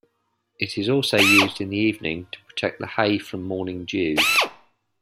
It is also used in the evening to protect the hay from morning dew.